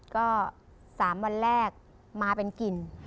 ก็๓วันแรกมาเป็นกลิ่น